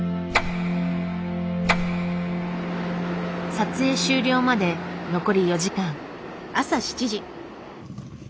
撮影終了まで残り４時間。